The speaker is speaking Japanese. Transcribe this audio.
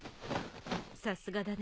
さすがだね。